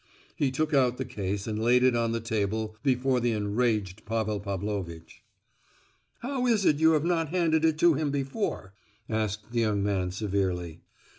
He took out the case and laid it down on the table before the enraged Pavel Pavlovitch. "How is it you have not handed it to him before?" asked the young man severely.